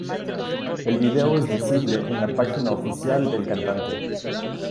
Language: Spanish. El video es visible en la página oficial del cantante.